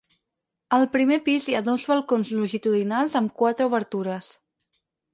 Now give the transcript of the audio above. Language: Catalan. Al primer pis hi ha dos balcons longitudinals amb quatre obertures.